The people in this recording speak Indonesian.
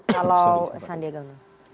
kalau sandi egan